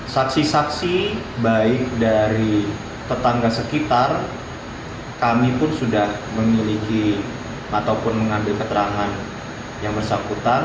saksi saksi baik dari tetangga sekitar kami pun sudah memiliki ataupun mengambil keterangan yang bersangkutan